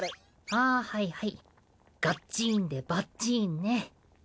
あぁはいはいガッチーンでバッチーンね。